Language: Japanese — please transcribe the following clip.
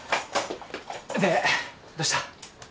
でどうした？